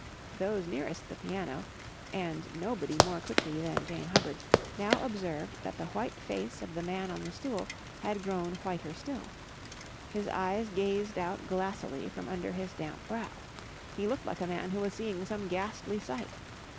Those nearest the piano—and nobody more quickly than Jane Hubbard—now observed that the white face of the man on the stool had grown whiter still. His eyes gazed out glassily from under his damp brow. He looked like a man who was seeing some ghastly sight.